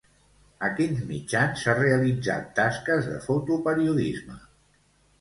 A quins mitjans ha realitzat tasques de fotoperiodisme?